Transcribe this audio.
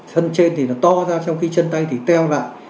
thân trên thì nó to ra trong khi chân tay thì teo lại